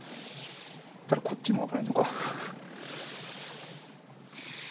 ただこっちも危ないのかフフッ。